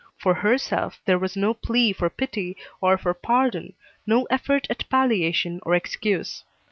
For herself there was no plea for pity or for pardon, no effort at palliation or excuse.